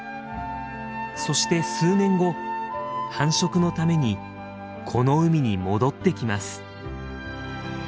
そして数年後繁殖のためにこの海に戻ってきます。